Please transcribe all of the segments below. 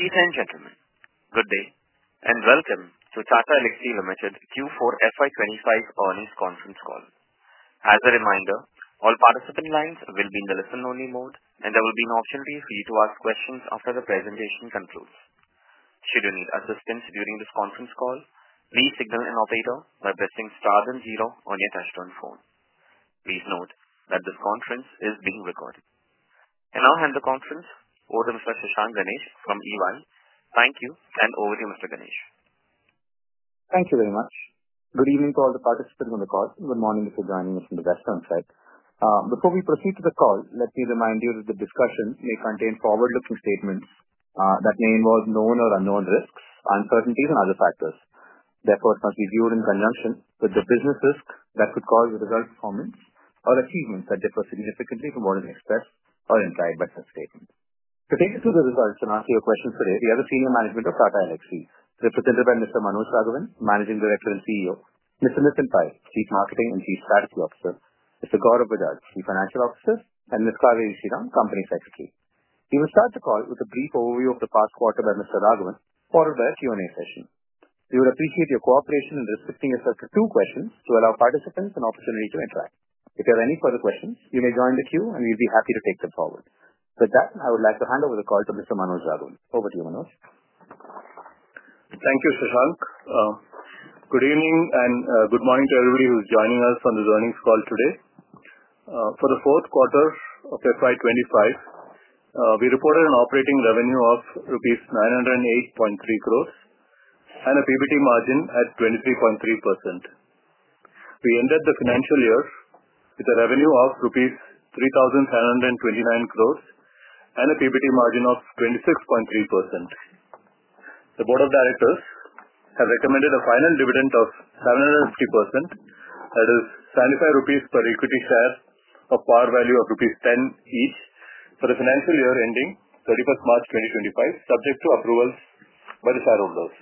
Ladies and gentlemen, good day and Welcome to Tata Elxsi Limited Q4 FY2025 Earnings Conference Call. As a reminder, all participant lines will be in the listen-only mode, and there will be an opportunity for you to ask questions after the presentation concludes. Should you need assistance during this conference call, please signal an operator by pressing star then zero on your touch-tone phone. Please note that this conference is being recorded. I will hand the conference over to Mr. Shashank Ganesh from EY. Thank you, and over to you, Mr. Ganesh. Thank you very much. Good evening to all the participants in the call, and good morning if you're joining us from the Western side. Before we proceed to the call, let me remind you that the discussion may contain forward-looking statements that may involve known or unknown risks, uncertainties, and other factors. Therefore, it must be viewed in conjunction with the business risk that could cause the result performance or achievements that differ significantly from what is expressed or implied by such statements. To take you through the results and answer your questions today, we have the senior management of Tata Elxsi, represented by Mr. Manoj Raghavan, Managing Director and CEO, Mr. Nitin Pai, Chief Marketing and Chief Strategy Officer, Mr. Gaurav Bajaj, Chief Financial Officer, and Ms. Kaveri Shiran, Company Secretary. We will start the call with a brief overview of the past quarter by Mr. Raghavan, followed by a Q&A session. We would appreciate your cooperation in restricting yourself to two questions to allow participants an opportunity to interact. If you have any further questions, you may join the queue, and we'd be happy to take them forward. With that, I would like to hand over the call to Mr. Manoj Raghavan. Over to you, Manoj. Thank you, Shashank. Good evening and good morning to everybody who's joining us on this earnings call today. For the fourth quarter of FY2025, we reported an operating revenue of rupees 908.3 crores and a PBT margin at 23.3%. We ended the financial year with a revenue of rupees 3,729 crores and a PBT margin of 26.3%. The Board of Directors has recommended a final dividend of 750%, that is, INR 75 per equity share of par value of rupees 10 each, for the financial year ending 31st March 2025, subject to approvals by the shareholders.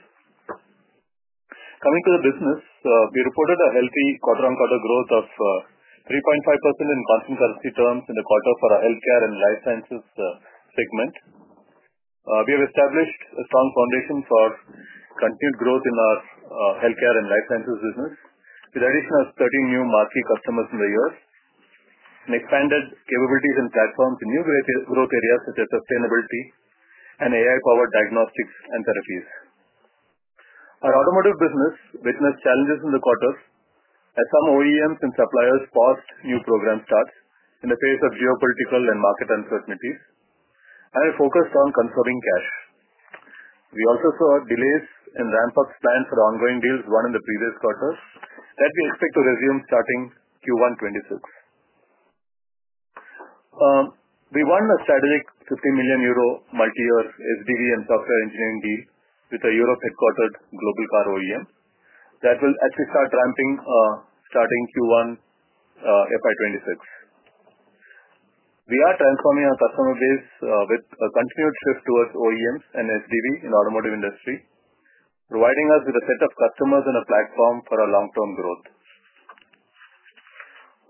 Coming to the business, we reported a healthy quarter-on-quarter growth of 3.5% in constant currency terms in the quarter for our healthcare and life sciences segment. We have established a strong foundation for continued growth in our healthcare and life sciences business with the addition of 30 new marquee customers in the year and expanded capabilities and platforms in new growth areas such as sustainability and AI-powered diagnostics and therapies. Our automotive business witnessed challenges in the quarter as some OEMs and suppliers paused new program starts in the face of geopolitical and market uncertainties and focused on conserving cash. We also saw delays in ramp-ups planned for ongoing deals won in the previous quarter that we expect to resume starting Q1 2026. We won a strategic 50 million euro multi-year SDV and software engineering deal with a Europe-headquartered global car OEM that will actually start ramping starting Q1 FY 2026. We are transforming our customer base with a continued shift towards OEMs and SDV in the automotive industry, providing us with a set of customers and a platform for our long-term growth.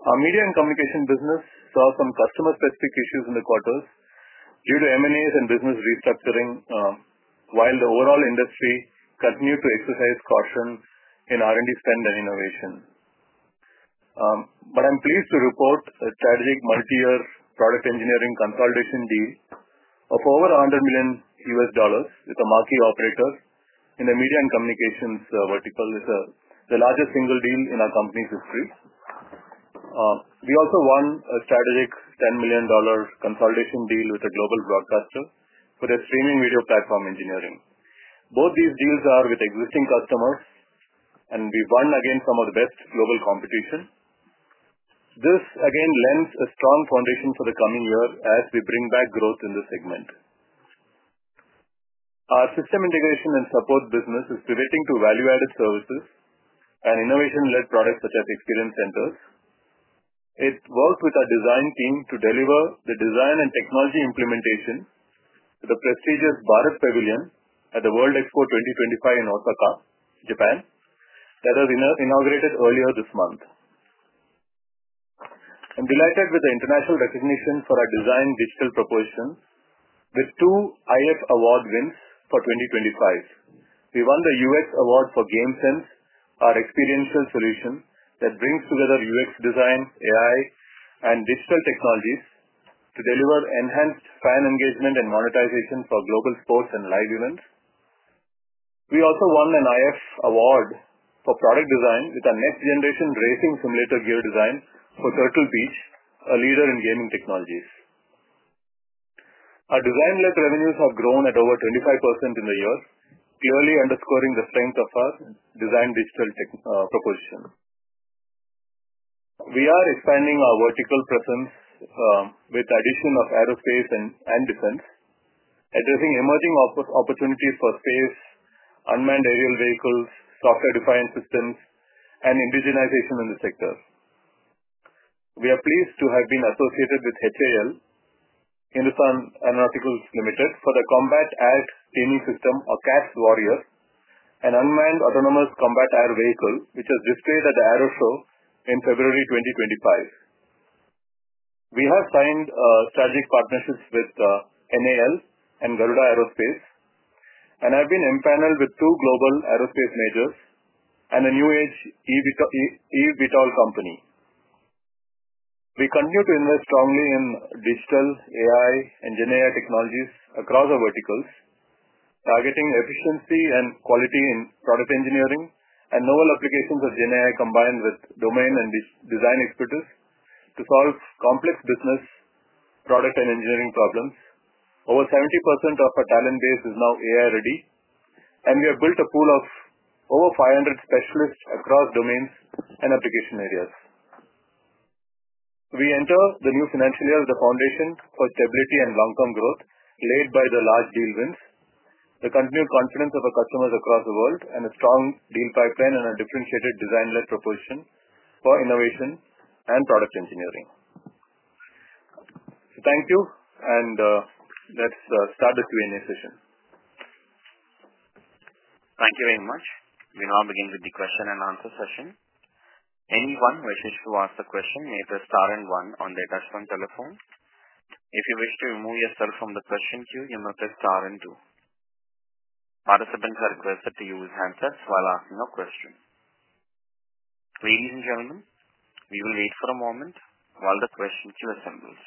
Our media and communication business saw some customer-specific issues in the quarters due to M&As and business restructuring, while the overall industry continued to exercise caution in R&D spend and innovation. I am pleased to report a strategic multi-year product engineering consolidation deal of over EUR 100 million with a marquee operator in the media and communications vertical. It is the largest single deal in our company's history. We also won a strategic $10 million consolidation deal with a global broadcaster for their streaming video platform engineering. Both these deals are with existing customers, and we have won against some of the best global competition. This, again, lends a strong foundation for the coming year as we bring back growth in the segment. Our system integration and support business is pivoting to value-added services and innovation-led products such as experience centers. It works with our design team to deliver the design and technology implementation to the prestigious BARAT Pavilion at the World Expo 2025 in Osaka, Japan, that was inaugurated earlier this month. I'm delighted with the international recognition for our design digital proposition with two IF award wins for 2025. We won the UX award for GameSense, our experiential solution that brings together UX design, AI, and digital technologies to deliver enhanced fan engagement and monetization for global sports and live events. We also won an IF award for product design with our next-generation racing simulator gear design for Turtle Beach, a leader in gaming technologies. Our design-led revenues have grown at over 25% in the year, clearly underscoring the strength of our design digital proposition. We are expanding our vertical presence with the addition of aerospace and defense, addressing emerging opportunities for space, unmanned aerial vehicles, software-defined systems, and indigenization in the sector. We are pleased to have been associated with HAL, Hindustan Aeronautics Limited, for the combat air training system, or CATS Warrior, an unmanned autonomous combat air vehicle which was displayed at the AeroShow in February 2025. We have signed strategic partnerships with NAL and Garuda Aerospace, and have been empaneled with two global aerospace majors and a new age eVTOL company. We continue to invest strongly in digital, AI, and GenAI technologies across our verticals, targeting efficiency and quality in product engineering and novel applications of GenAI combined with domain and design expertise to solve complex business, product, and engineering problems. Over 70% of our talent base is now AI-ready, and we have built a pool of over 500 specialists across domains and application areas. We enter the new financial year with a foundation for stability and long-term growth, led by the large deal wins, the continued confidence of our customers across the world, and a strong deal pipeline and a differentiated design-led proposition for innovation and product engineering. Thank you, and let's start the Q&A session. Thank you very much. We now begin with the question-and-answer session. Anyone who wishes to ask a question may press star and one on their touch-tone telephone. If you wish to remove yourself from the question queue, you may press star and two. Participants are requested to use handsets while asking a question. Ladies and gentlemen, we will wait for a moment while the question queue assembles.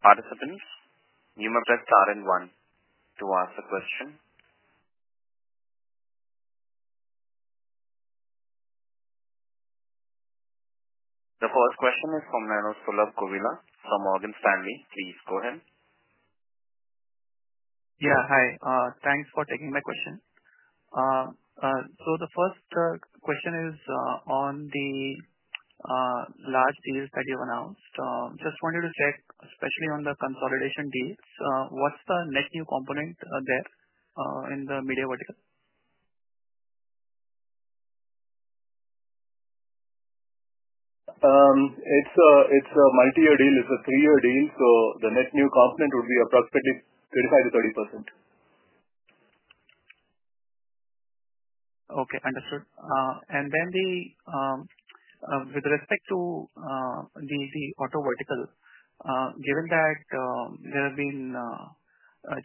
Participants, you may press star and one to ask a question. The first question is from Sulabh Govila from Morgan Stanley. Please go ahead. Yeah, hi. Thanks for taking my question. The first question is on the large deals that you've announced. Just wanted to check, especially on the consolidation deals, what's the net new component there in the media vertical? It's a multi-year deal. It's a three-year deal, so the net new component would be approximately 25%-30%. Okay, understood. With respect to the auto vertical, given that there have been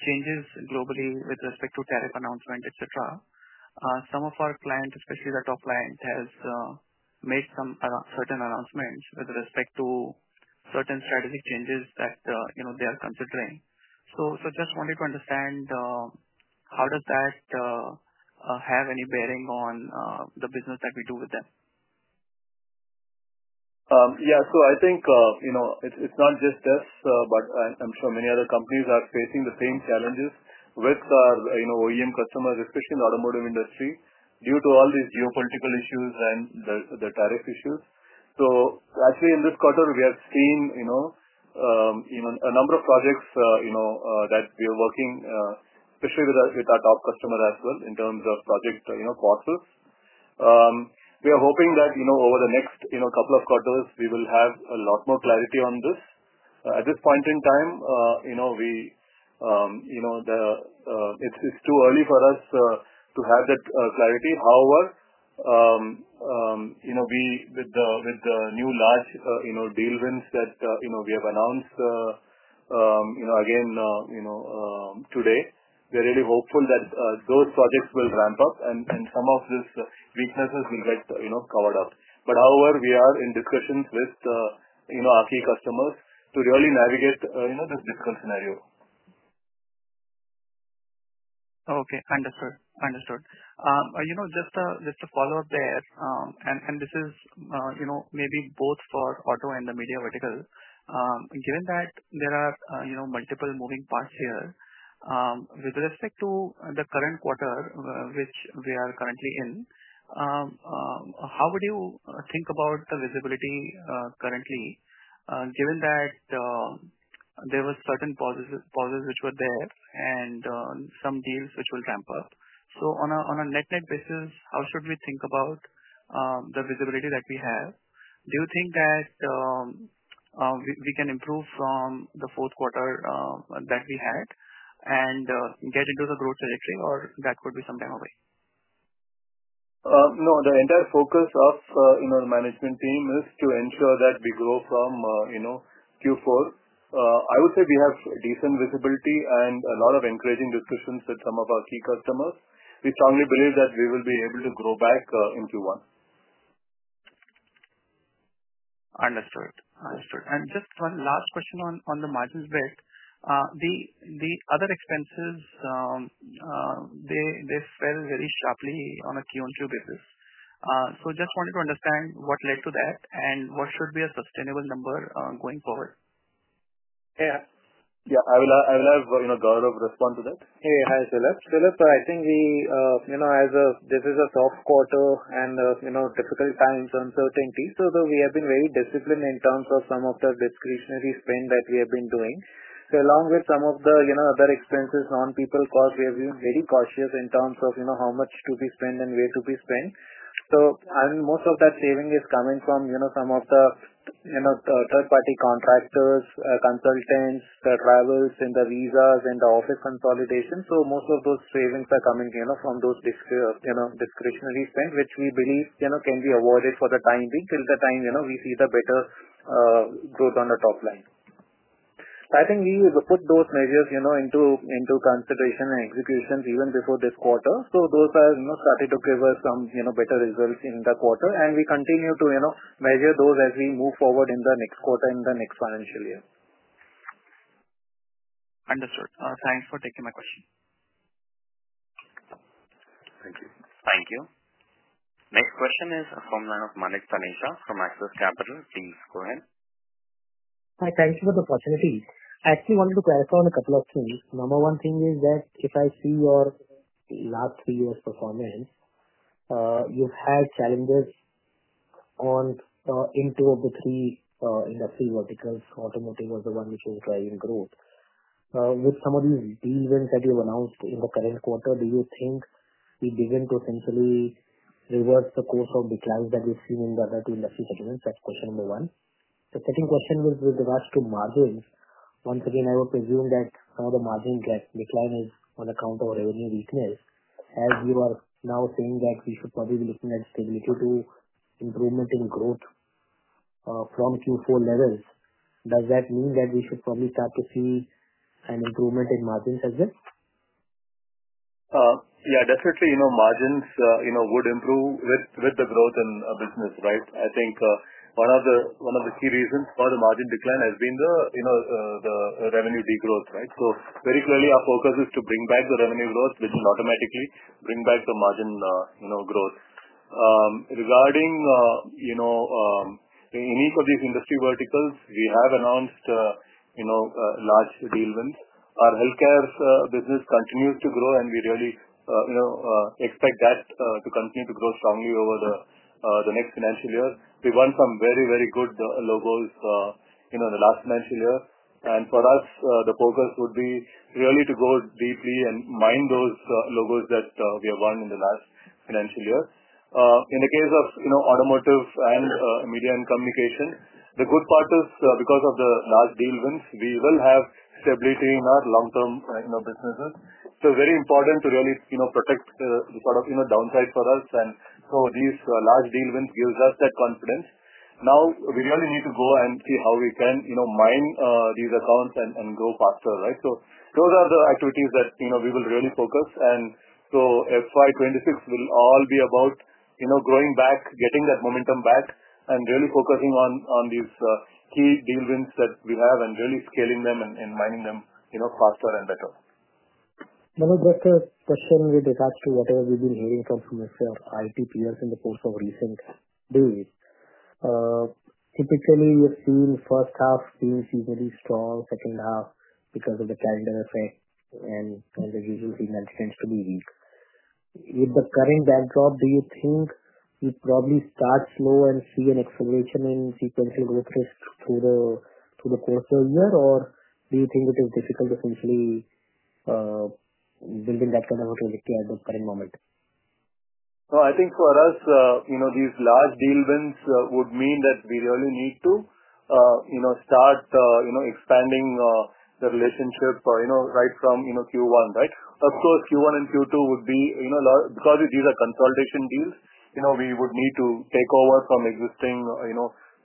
changes globally with respect to tariff announcement, etc., some of our clients, especially the top client, have made certain announcements with respect to certain strategic changes that they are considering. Just wanted to understand, how does that have any bearing on the business that we do with them? Yeah, I think it's not just us, but I'm sure many other companies are facing the same challenges with our OEM customers, especially in the automotive industry, due to all these geopolitical issues and the tariff issues. Actually, in this quarter, we have seen a number of projects that we are working, especially with our top customer as well, in terms of project portals. We are hoping that over the next couple of quarters, we will have a lot more clarity on this. At this point in time, it's too early for us to have that clarity. However, with the new large deal wins that we have announced again today, we're really hopeful that those projects will ramp up, and some of these weaknesses will get covered up. However, we are in discussions with our key customers to really navigate this difficult scenario. Okay, understood. Understood. Just a follow-up there, and this is maybe both for auto and the media vertical. Given that there are multiple moving parts here, with respect to the current quarter, which we are currently in, how would you think about the visibility currently, given that there were certain pauses which were there and some deals which will ramp up? On a net-net basis, how should we think about the visibility that we have? Do you think that we can improve from the fourth quarter that we had and get into the growth territory, or that could be some time away? No, the entire focus of the management team is to ensure that we grow from Q4. I would say we have decent visibility and a lot of encouraging discussions with some of our key customers. We strongly believe that we will be able to grow back in Q1. Understood. Understood. Just one last question on the margins bit. The other expenses, they fell very sharply on a Q and Q basis. Just wanted to understand what led to that and what should be a sustainable number going forward. Yeah. Yeah, I will have Gaurav respond to that. Hey, hi, Sulabh, I think as this is a soft quarter and difficult times, uncertainty, we have been very disciplined in terms of some of the discretionary spend that we have been doing. Along with some of the other expenses, non-people costs, we have been very cautious in terms of how much to be spent and where to be spent. Most of that saving is coming from some of the third-party contractors, consultants, travels, the visas, and the office consolidation. Most of those savings are coming from those discretionary spend, which we believe can be avoided for the time being till the time we see the better growth on the top line. I think we put those measures into consideration and execution even before this quarter. Those have started to give us some better results in the quarter, and we continue to measure those as we move forward in the next quarter, in the next financial year. Understood. Thanks for taking my question. Thank you. Thank you. Next question is from Manesh from Axis Capital. Please go ahead. Hi, thank you for the opportunity. I actually wanted to clarify on a couple of things. Number one thing is that if I see your last three years' performance, you've had challenges in two of the three industry verticals. Automotive was the one which was driving growth. With some of these deal wins that you've announced in the current quarter, do you think we've begun to essentially reverse the course of declines that we've seen in the other two industry segments? That's question number one. The second question with regards to margins, once again, I would presume that some of the margin decline is on account of revenue weakness. As you are now saying that we should probably be looking at stability to improvement in growth from Q4 levels, does that mean that we should probably start to see an improvement in margins as well? Yeah, definitely. Margins would improve with the growth in business, right? I think one of the key reasons for the margin decline has been the revenue degrowth, right? Very clearly, our focus is to bring back the revenue growth, which will automatically bring back the margin growth. Regarding any of these industry verticals, we have announced large deal wins. Our healthcare business continues to grow, and we really expect that to continue to grow strongly over the next financial year. We've won some very, very good logos in the last financial year. For us, the focus would be really to go deeply and mine those logos that we have won in the last financial year. In the case of automotive and media and communication, the good part is because of the large deal wins, we will have stability in our long-term businesses. It is very important to really protect the sort of downside for us. These large deal wins give us that confidence. Now, we really need to go and see how we can mine these accounts and grow faster, right? Those are the activities that we will really focus. FY2026 will all be about growing back, getting that momentum back, and really focusing on these key deal wins that we have and really scaling them and mining them faster and better. Manoj, just a question with regards to whatever we've been hearing from some of your IT peers in the course of recent days. Typically, we have seen first half being seasonally strong, second half because of the calendar effect, and the usual finance tends to be weak. With the current backdrop, do you think we'd probably start slow and see an acceleration in sequential growth risk through the course of the year, or do you think it is difficult to essentially build that kind of a trajectory at the current moment? I think for us, these large deal wins would mean that we really need to start expanding the relationship right from Q1, right? Of course, Q1 and Q2 would be a lot because these are consolidation deals. We would need to take over from existing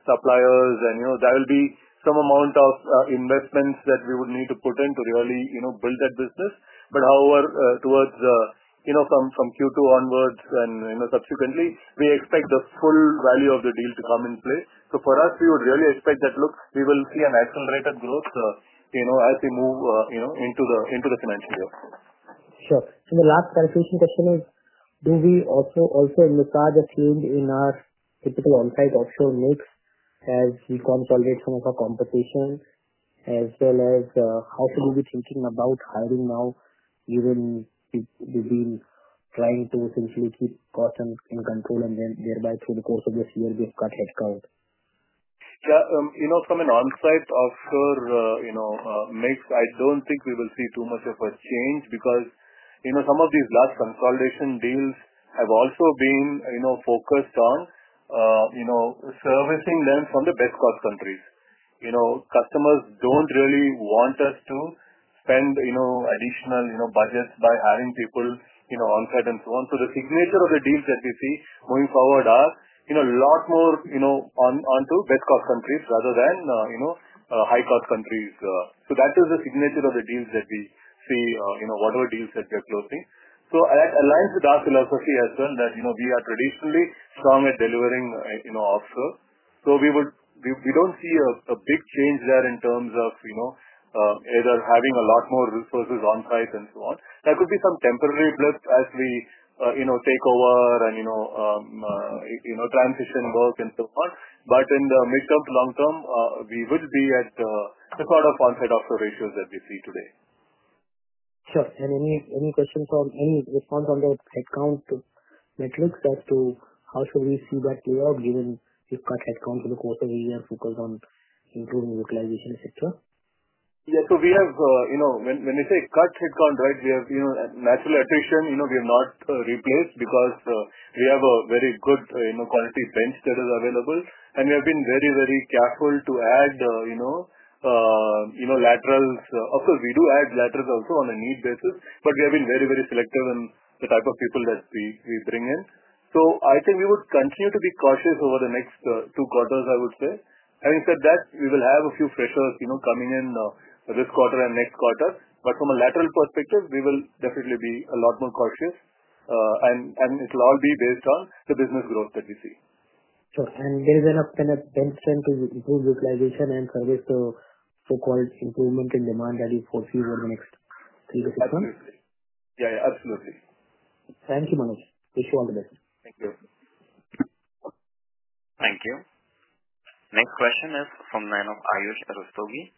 suppliers, and there will be some amount of investments that we would need to put in to really build that business. However, from Q2 onwards and subsequently, we expect the full value of the deal to come in play. For us, we would really expect that, look, we will see an accelerated growth as we move into the financial year. Sure. The last clarification question is, do we also miss out a trend in our typical on-site offshore mix as we consolidate some of our competition, as well as how should we be thinking about hiring now, given we've been trying to essentially keep costs in control and thereby, through the course of this year, we've cut headcount? Yeah, from an on-site offshore mix, I don't think we will see too much of a change because some of these large consolidation deals have also been focused on servicing them from the best-cost countries. Customers don't really want us to spend additional budgets by hiring people on-site and so on. The signature of the deals that we see moving forward are a lot more onto best-cost countries rather than high-cost countries. That is the signature of the deals that we see, whatever deals that we are closing. That aligns with our philosophy as well that we are traditionally strong at delivering offshore. We don't see a big change there in terms of either having a lot more resources on-site and so on. There could be some temporary blip as we take over and transition work and so on. In the midterm to long term, we would be at the sort of on-site offshore ratios that we see today. Sure. Any questions or any response on the headcount metrics as to how should we see that play out, given we've cut headcount for the quarter year and focused on improving utilization, etc.? Yeah, so we have, when we say cut headcount, right, we have natural attrition. We have not replaced because we have a very good quality bench that is available. We have been very, very careful to add laterals. Of course, we do add laterals also on a need basis, but we have been very, very selective in the type of people that we bring in. I think we would continue to be cautious over the next two quarters, I would say. Having said that, we will have a few freshers coming in this quarter and next quarter. From a lateral perspective, we will definitely be a lot more cautious. It will all be based on the business growth that we see. Sure. There is an up and a bent trend to improve utilization and service to so-called improvement in demand that you foresee over the next three to six months? Absolutely. Yeah, absolutely. Thank you, Manoj. Wish you all the best. Thank you. Thank you. Next question is from Arustogi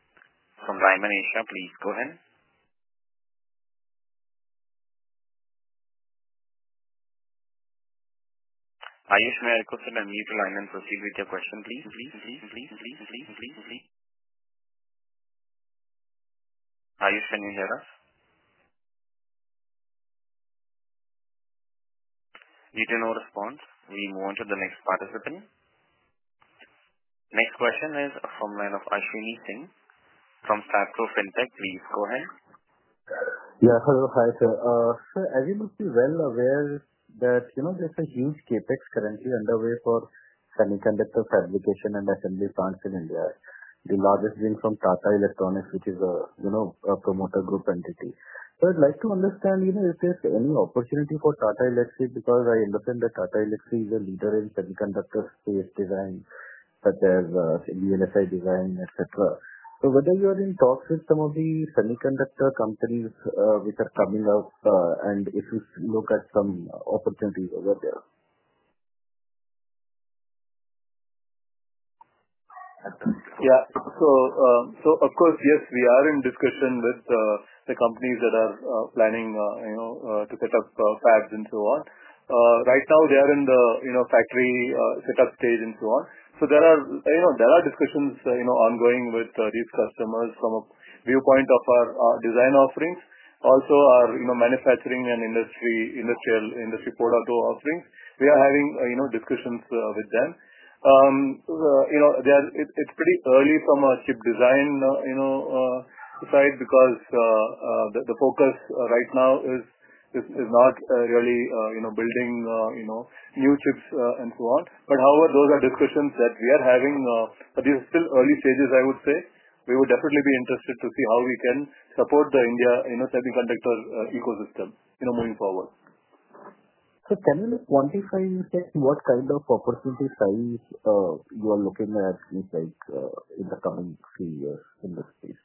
from Lyman Asia. Please go ahead. Manoj, may I request an unmute to line and proceed with your question, please? Manoj, can you hear us? Did you know response? We move on to the next participant. Next question is from Ashwini Singh from Statco Fintech. Please go ahead. Yeah, hello, Manoj. Sir, as you must be well aware, there's a huge CapEx currently underway for semiconductor fabrication and assembly plants in India, the largest being from Tata Electronics, which is a promoter group entity. I'd like to understand if there's any opportunity for Tata Elxsi because I understand that Tata Elxsi is a leader in semiconductor space design, such as VLSI design, etc. Whether you're in talks with some of the semiconductor companies which are coming up, and if you look at some opportunities over there. Yeah. Of course, yes, we are in discussion with the companies that are planning to set up fabs and so on. Right now, they are in the factory setup stage and so on. There are discussions ongoing with these customers from a viewpoint of our design offerings. Also, our manufacturing and industrial port offerings, we are having discussions with them. It's pretty early from a chip design side because the focus right now is not really building new chips and so on. However, those are discussions that we are having. These are still early stages, I would say. We would definitely be interested to see how we can support the India semiconductor ecosystem moving forward. Tell me, quantify what kind of opportunity size you are looking at in the coming few years in this space.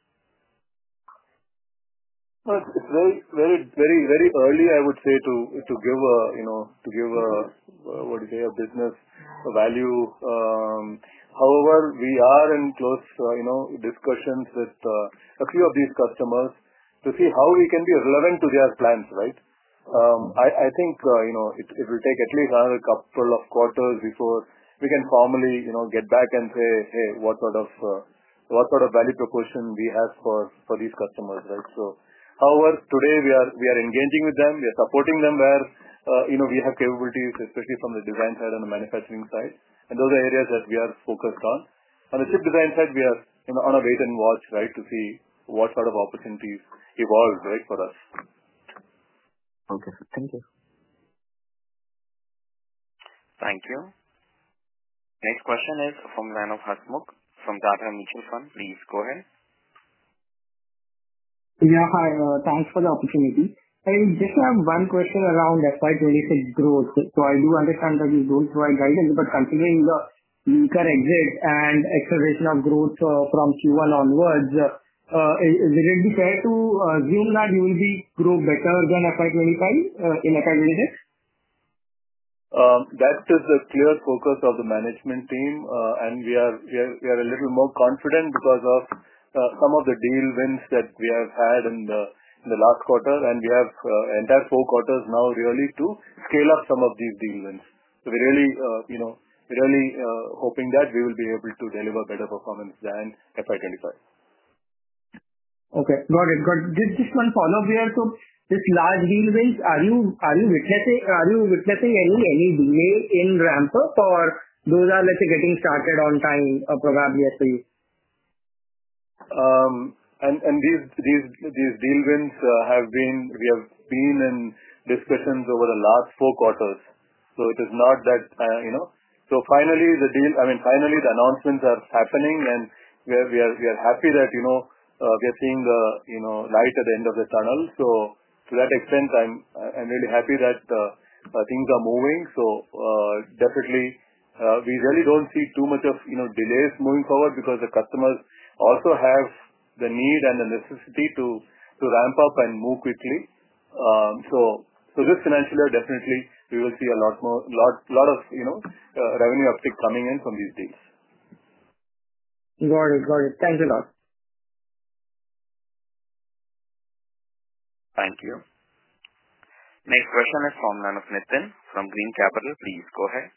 It is very, very, very early, I would say, to give a, what do you say, a business value. However, we are in close discussions with a few of these customers to see how we can be relevant to their plans, right? I think it will take at least another couple of quarters before we can formally get back and say, "Hey, what sort of value proposition we have for these customers," right? However, today, we are engaging with them. We are supporting them where we have capabilities, especially from the design side and the manufacturing side. Those are areas that we are focused on. On the chip design side, we are on our wait and watch, right, to see what sort of opportunities evolve, right, for us. Okay. Thank you. Thank you. Next question is from Hasmukh from Tata Mutual Fund. Please go ahead. Yeah, hi. Thanks for the opportunity. I just have one question around FY 2026 growth. I do understand that you do not provide guidance, but considering the weaker exit and acceleration of growth from Q1 onwards, would it be fair to assume that you will grow better than FY 2025 in FY 2026? That is the clear focus of the management team. We are a little more confident because of some of the deal wins that we have had in the last quarter. We have entire four quarters now really to scale up some of these deal wins. We are really hoping that we will be able to deliver better performance than FY 2025. Okay. Got it. Got it. Just one follow-up here. These large deal wins, are you witnessing any delay in ramp-up, or those are, let's say, getting started on time probably for you? These deal wins have been, we have been in discussions over the last four quarters. It is not that, finally, the deal, I mean, finally, the announcements are happening, and we are happy that we are seeing the light at the end of the tunnel. To that extent, I'm really happy that things are moving. We really don't see too much of delays moving forward because the customers also have the need and the necessity to ramp up and move quickly. Just financially, definitely, we will see a lot of revenue uptick coming in from these deals. Got it. Got it. Thank you a lot. Thank you. Next question is from Nitin from Green Capital. Please go ahead.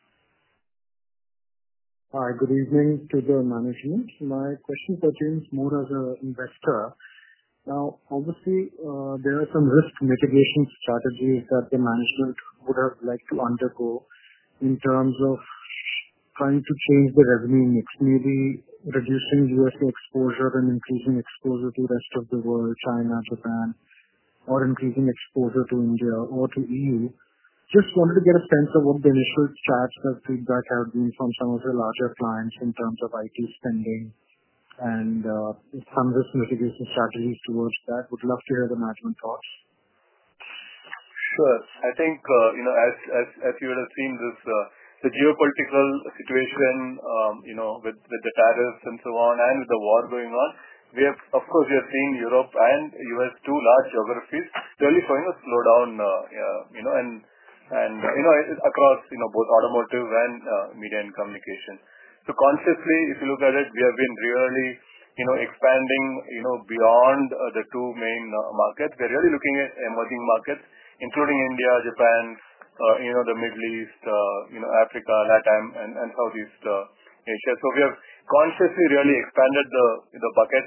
Hi. Good evening to the management. My question pertains more as an investor. Now, obviously, there are some risk mitigation strategies that the management would have liked to undergo in terms of trying to change the revenue mix, maybe reducing U.S. exposure and increasing exposure to the rest of the world, China, Japan, or increasing exposure to India or to EU. Just wanted to get a sense of what the initial charts of feedback have been from some of the larger clients in terms of IT spending and some risk mitigation strategies towards that. Would love to hear the management thoughts. Sure. I think as you would have seen, the geopolitical situation with the tariffs and so on and with the war going on, we have, of course, seen Europe and the U.S., two large geographies, really showing a slowdown across both automotive and media and communication. Consciously, if you look at it, we have been really expanding beyond the two main markets. We are really looking at emerging markets, including India, Japan, the Middle East, Africa, LATAM, and Southeast Asia. We have consciously really expanded the bucket,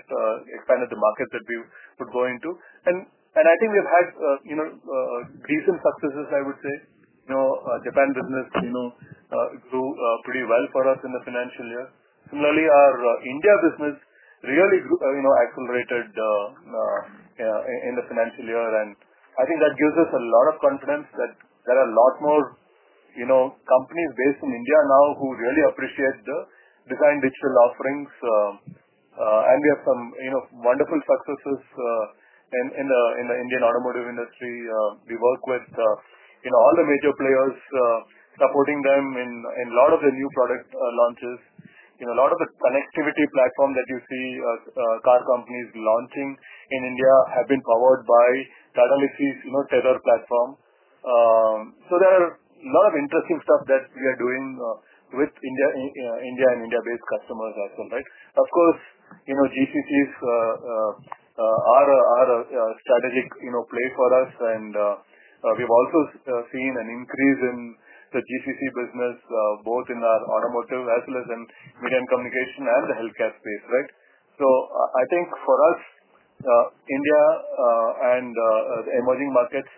expanded the markets that we would go into. I think we've had decent successes, I would say. Japan business grew pretty well for us in the financial year. Similarly, our India business really accelerated in the financial year. I think that gives us a lot of confidence that there are a lot more companies based in India now who really appreciate the design digital offerings. We have some wonderful successes in the Indian automotive industry. We work with all the major players, supporting them in a lot of the new product launches. A lot of the connectivity platforms that you see car companies launching in India have been powered by Tata Elxsi's Tether platform. There are a lot of interesting stuff that we are doing with India and India-based customers as well, right? Of course, GCCs are a strategic play for us. We have also seen an increase in the GCC business, both in our automotive as well as in media and communication and the healthcare space, right? I think for us, India and the emerging markets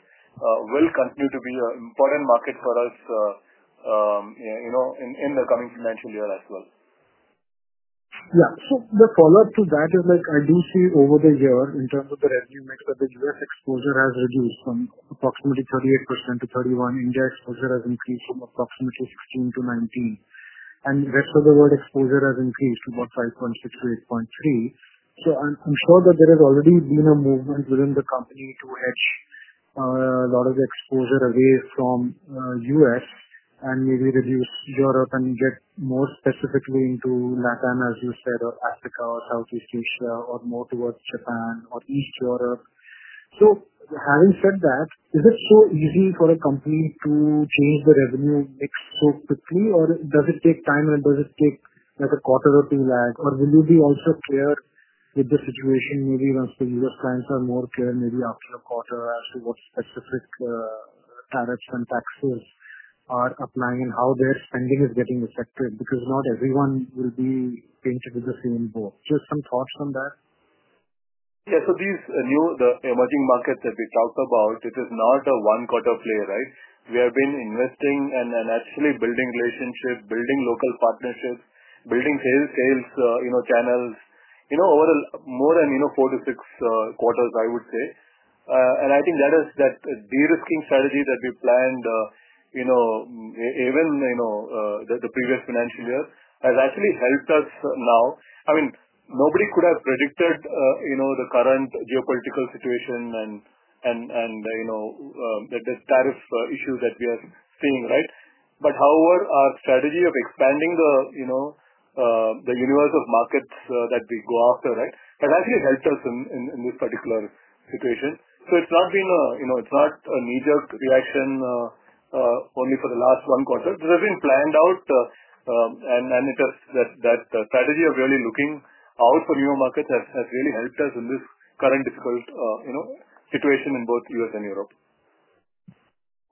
will continue to be an important market for us in the coming financial year as well. Yeah. The follow-up to that is, I do see over the year, in terms of the revenue mix, that the U.S. exposure has reduced from approximately 38% to 31%. India exposure has increased from approximately 16% to 19%. The rest of the world exposure has increased to about 5.6% to 8.3%. I am sure that there has already been a movement within the company to hedge a lot of exposure away from the U.S. and maybe reduce Europe and get more specifically into LATAM, as you said, or Africa or Southeast Asia or more towards Japan or East Europe. Having said that, is it so easy for a company to change the revenue mix so quickly, or does it take time, and does it take like a quarter or two lag? Or will you be also clear with the situation maybe once the U.S. clients are more clear, maybe after a quarter, as to what specific tariffs and taxes are applying and how their spending is getting affected? Because not everyone will be painted with the same boat. Just some thoughts on that. Yeah. These new emerging markets that we talked about, it is not a one-quarter play, right? We have been investing and actually building relationships, building local partnerships, building sales channels over more than four to six quarters, I would say. I think that is that de-risking strategy that we planned even the previous financial year has actually helped us now. I mean, nobody could have predicted the current geopolitical situation and the tariff issue that we are seeing, right? However, our strategy of expanding the universe of markets that we go after, right, has actually helped us in this particular situation. It's not been a knee-jerk reaction only for the last one quarter. This has been planned out, and it is that strategy of really looking out for new markets has really helped us in this current difficult situation in both the U.S. and Europe.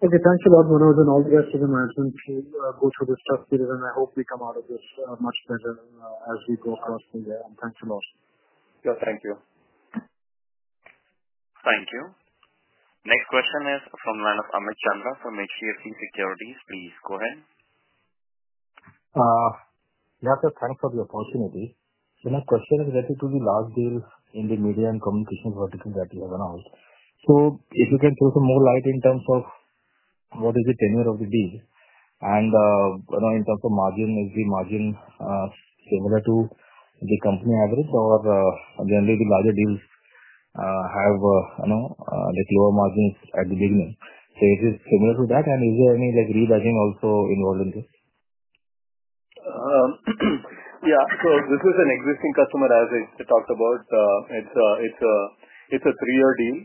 Okay. Thanks a lot, Manoj, and all the rest of the management to go through this tough period. I hope we come out of this much better as we go across the year. Thanks a lot. Yeah. Thank you. Thank you. Next question is from Amit Chandra from HDFC Securities. Please go ahead. Yeah. Thanks for the opportunity. My question is related to the large deals in the media and communication vertical that we have announced. If you can throw some more light in terms of what is the tenure of the deal and in terms of margin, is the margin similar to the company average, or generally, the larger deals have lower margins at the beginning? Is it similar to that, and is there any rebudgeting also involved in this? Yeah. This is an existing customer, as I talked about. It's a three-year deal.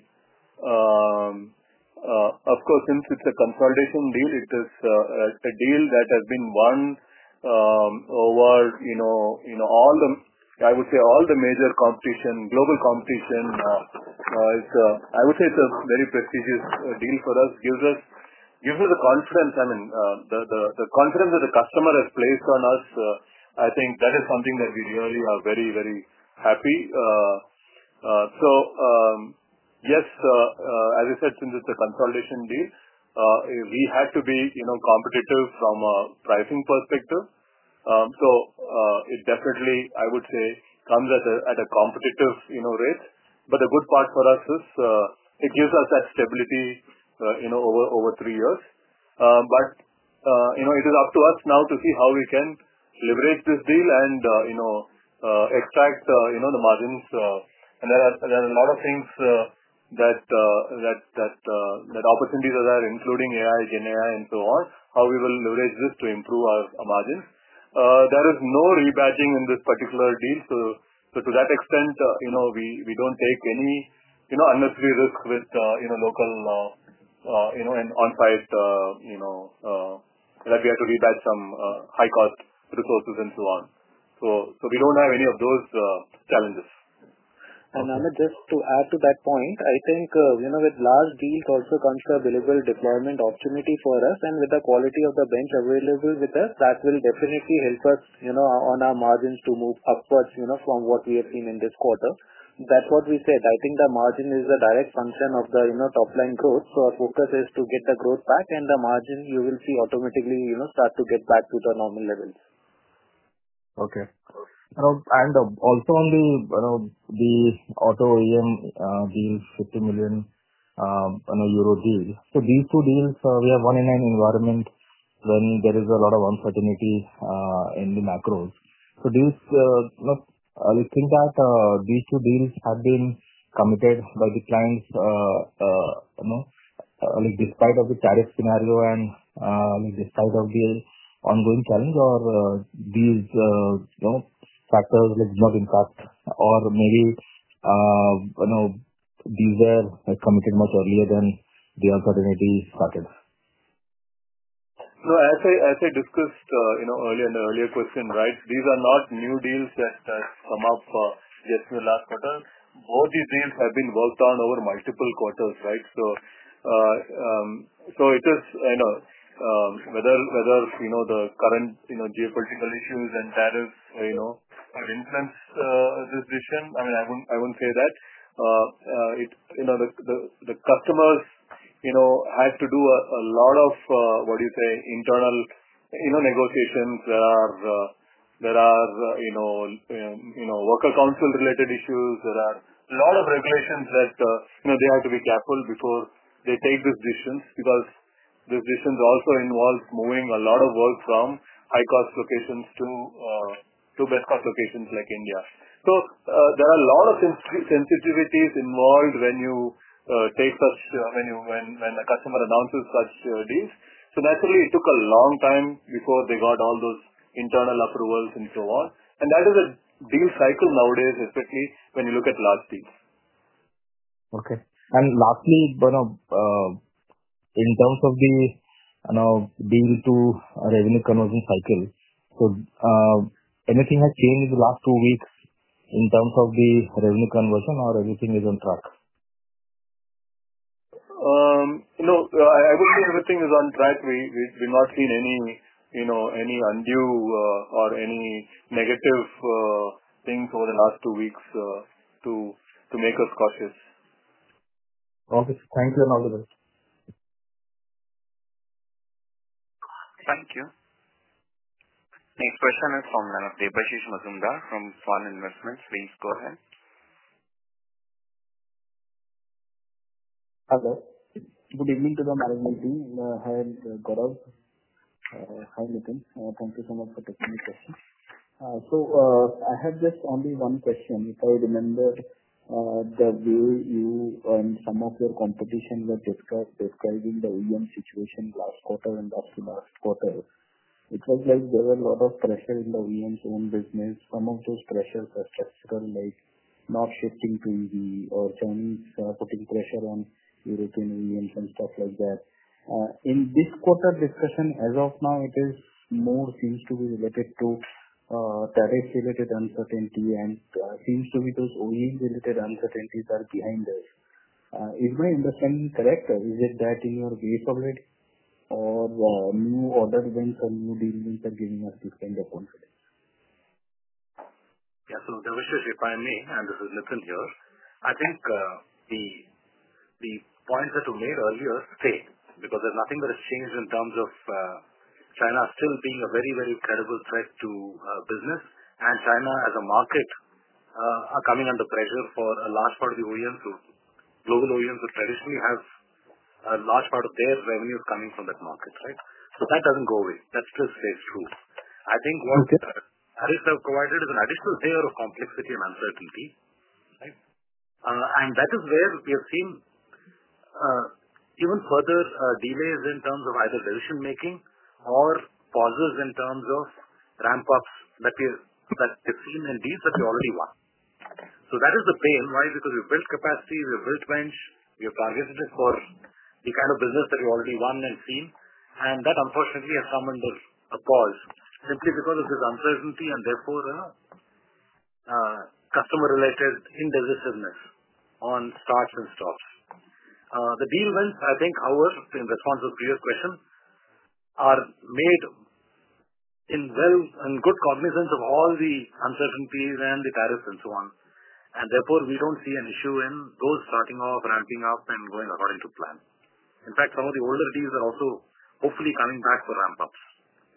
Of course, since it's a consolidation deal, it is a deal that has been won over all the, I would say, all the major competition, global competition. I would say it's a very prestigious deal for us. It gives us the confidence. I mean, the confidence that the customer has placed on us, I think that is something that we really are very, very happy. Yes, as I said, since it's a consolidation deal, we had to be competitive from a pricing perspective. It definitely, I would say, comes at a competitive rate. The good part for us is it gives us that stability over three years. It is up to us now to see how we can leverage this deal and extract the margins. There are a lot of things that opportunities are there, including AI, GenAI, and so on, how we will leverage this to improve our margins. There is no rebudgeting in this particular deal. To that extent, we do not take any unnecessary risk with local and on-site that we have to rebudget some high-cost resources and so on. We do not have any of those challenges. Manoj, just to add to that point, I think with large deals also comes a billable deployment opportunity for us. With the quality of the bench available with us, that will definitely help us on our margins to move upwards from what we have seen in this quarter. That is what we said. I think the margin is a direct function of the top-line growth. Our focus is to get the growth back, and the margin, you will see, automatically start to get back to the normal levels. Okay. Also on the auto OEM deal, €50 million deal. These two deals, we have one-in-nine environment when there is a lot of uncertainty in the macros. Do you think that these two deals have been committed by the clients despite the tariff scenario and despite the ongoing challenge, or these factors did not impact, or maybe these were committed much earlier than the alternatives started? No, as I discussed in an earlier question, right, these are not new deals that come up just in the last quarter. Both these deals have been worked on over multiple quarters, right? It is whether the current geopolitical issues and tariffs have influenced this decision. I mean, I won't say that. The customers had to do a lot of, what do you say, internal negotiations. There are worker council-related issues. There are a lot of regulations that they have to be careful before they take this decision because this decision also involves moving a lot of work from high-cost locations to best-cost locations like India. There are a lot of sensitivities involved when you take such when a customer announces such deals. Naturally, it took a long time before they got all those internal approvals and so on. That is a deal cycle nowadays, especially when you look at large deals. Okay. Lastly, in terms of the deal to revenue conversion cycle, has anything changed in the last two weeks in terms of the revenue conversion, or is everything on track? No, I wouldn't say everything is on track. We've not seen any undue or any negative things over the last two weeks to make us cautious. Okay. Thank you and all the best. Thank you. Next question is from Debanshish Mazumudar from Swan Investments. Please go ahead. Hello. Good evening to the management team. I'm Gaurav Nitin. Thank you so much for taking the question. I have just only one question. If I remember the way you and some of your competition were describing the OEM situation last quarter and up to last quarter, it was like there were a lot of pressure in the OEMs' own business. Some of those pressures are structural, like not shifting to EV or Chinese putting pressure on European OEMs and stuff like that. In this quarter discussion, as of now, it is more seems to be related to tariff-related uncertainty, and it seems to be those OEM-related uncertainties are behind us. Is my understanding correct? Is it that in your way of it, or new order events or new deal events are giving us this kind of confidence? Yeah. There was just a remind me, and this is Nitin here. I think the points that were made earlier stayed because there is nothing that has changed in terms of China still being a very, very credible threat to business, and China as a market coming under pressure for a large part of the OEMs, global OEMs who traditionally have a large part of their revenues coming from that market, right? That does not go away. That still stays true. I think what tariffs have provided is an additional layer of complexity and uncertainty, right? That is where we have seen even further delays in terms of either decision-making or pauses in terms of ramp-ups that we have seen in deals that we already won. That is the pain. Why? Because we have built capacity. We have built bench. We have targeted it for the kind of business that we already won and seen. That, unfortunately, has come under a pause simply because of this uncertainty and therefore customer-related indecisiveness on starts and stops. The deal events, I think, in response to the previous question, are made in good cognizance of all the uncertainties and the tariffs and so on. Therefore, we do not see an issue in those starting off, ramping up, and going according to plan. In fact, some of the older deals are also hopefully coming back for ramp-ups,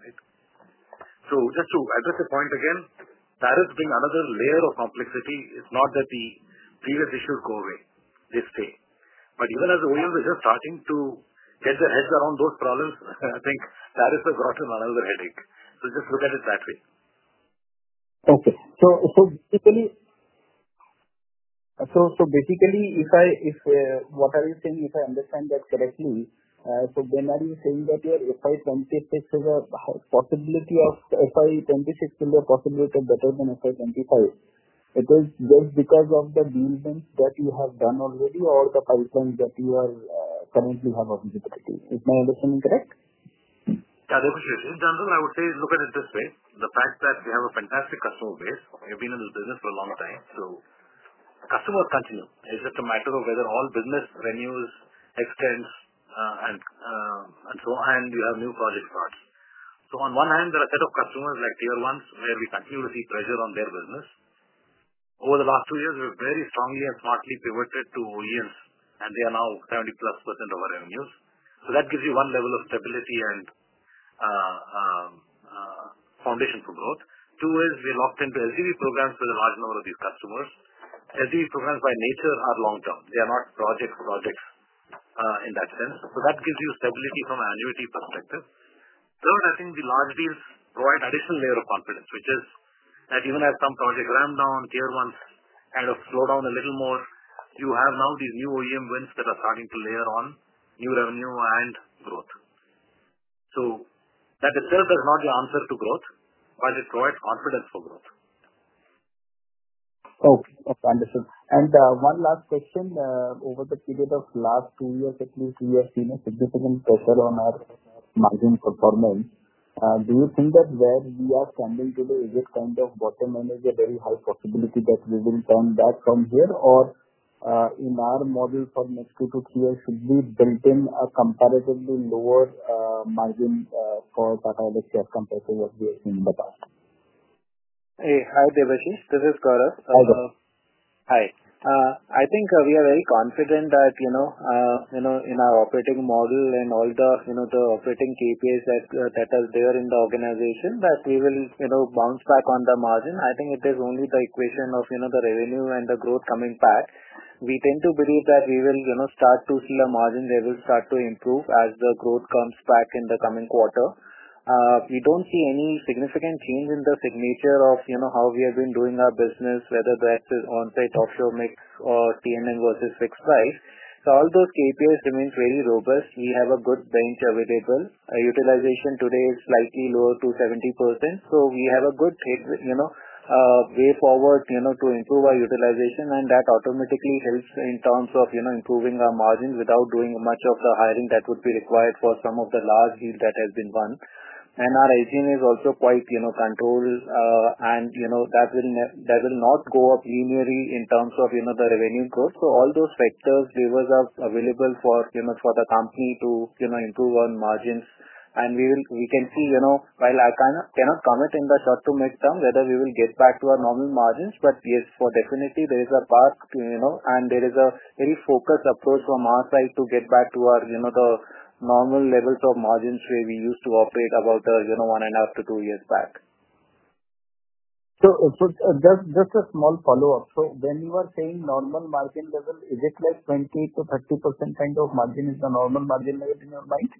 right? Just to address the point again, tariffs bring another layer of complexity. It is not that the previous issues go away. They stay. Even as OEMs are just starting to get their heads around those problems, I think tariffs have brought in another headache. Just look at it that way. Okay. Basically, if I what are you saying? If I understand that correctly, when are you saying that your FY 2026 has a possibility of FY 2026 will be a possibility better than FY 2025? Is it just because of the deal events that you have done already or the pipeline that you currently have availability? Is my understanding correct? Yeah. In general, I would say look at it this way. The fact that we have a fantastic customer base. We've been in this business for a long time. Customers continue. It's just a matter of whether all business renews, extends, and so on, and you have new project starts. On one hand, there are a set of customers like tier ones where we continue to see pressure on their business. Over the last two years, we've very strongly and smartly pivoted to OEMs, and they are now 70+% of our revenues. That gives you one level of stability and foundation for growth. Two is we're locked into LGV programs with a large number of these customers. LGV programs by nature are long-term. They are not project projects in that sense. That gives you stability from an annuity perspective. Third, I think the large deals provide an additional layer of confidence, which is that even as some projects ramp down, tier ones kind of slow down a little more, you have now these new OEM wins that are starting to layer on new revenue and growth. That itself is not the answer to growth, but it provides confidence for growth. Okay. Okay. Understood. One last question. Over the period of the last two years, at least, we have seen a significant pressure on our margin performance. Do you think that where we are standing today, is it kind of bottom end, is a very high possibility that we will turn back from here, or in our model for the next two to three years, should we build in a comparatively lower margin for Tata Elxsi as compared to what we have seen in the past? Hey, hi Debanshish. This is Gaurav. Hi, Gaurav. Hi. I think we are very confident that in our operating model and all the operating KPIs that are there in the organization, that we will bounce back on the margin. I think it is only the equation of the revenue and the growth coming back. We tend to believe that we will start to see a margin level start to improve as the growth comes back in the coming quarter. We do not see any significant change in the signature of how we have been doing our business, whether that is an onsite offshore mix or TNN versus fixed price. All those KPIs remain very robust. We have a good bench available. Utilization today is slightly lower to 70%. We have a good way forward to improve our utilization, and that automatically helps in terms of improving our margins without doing much of the hiring that would be required for some of the large deals that have been done. Our hygiene is also quite controlled, and that will not go up linearly in terms of the revenue growth. All those factors give us available for the company to improve our margins. We can see, while I cannot comment in the short to mid-term whether we will get back to our normal margins, but yes, definitely, there is a path, and there is a very focused approach from our side to get back to the normal levels of margins where we used to operate about one and a half to two years back. Just a small follow-up. When you are saying normal margin level, is it like 20%-30% kind of margin is the normal margin level in your mind,